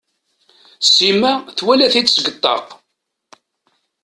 Sima twala-t-id seg ṭṭaq.